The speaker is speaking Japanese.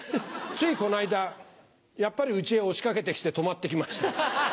ついこの間やっぱり家へ押し掛けて来て泊まって行きました。